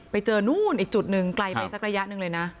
ไปดูนู่นอีกจุดหนึ่งไกลไปสักระยะหนึ่งเลยนะ